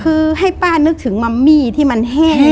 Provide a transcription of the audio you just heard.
คือให้ป้านึกถึงมัมมี่ที่มันแห้ง